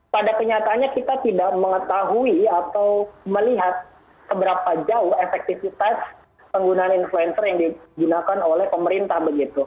pada kenyataannya kita tidak mengetahui atau melihat seberapa jauh efektivitas penggunaan influencer yang digunakan oleh pemerintah begitu